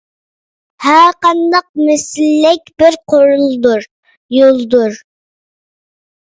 ھەرقانداق مەسلەك بىر قورالدۇر، يولدۇر.